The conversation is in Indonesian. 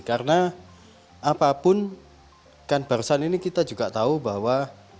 karena apapun kan barusan ini kita juga tahu bahwa